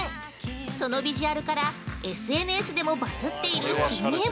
そのビジュアルからＳＮＳでもバズっている新名物。